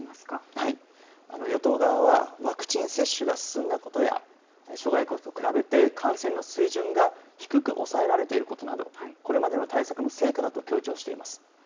与党側は、ワクチン接種が進んだことや、諸外国と比べて、感染の水準が低く抑えられていることなど、これまでの対策の成果だと強調しています。